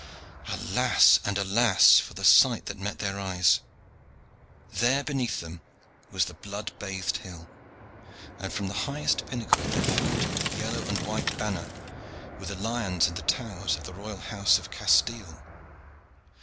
Alas! and alas! for the sight that met their eyes. There, beneath them, was the blood bathed hill, and from the highest pinnacle there flaunted the yellow and white banner with the lions and the towers of the royal house of Castile.